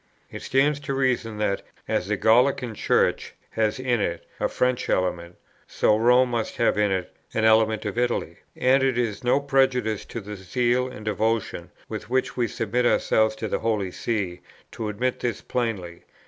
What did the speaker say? It stands to reason that, as the Gallican Church has in it a French element, so Rome must have in it an element of Italy; and it is no prejudice to the zeal and devotion with which we submit ourselves to the Holy See to admit this plainly.